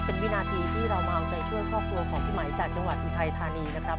เป็นวินาทีที่เรามาเอาใจช่วยครอบครัวของพี่ไหมจากจังหวัดอุทัยธานีนะครับ